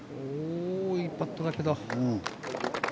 いいパットだけど。